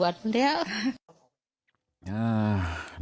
มอบไปตำรวจ